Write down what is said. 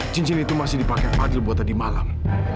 cincin itu masih dipakai fadil buat tadi malam